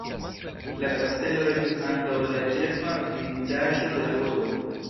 La kastelo estas ankaŭ la ĉefa vidindaĵo de la urbo.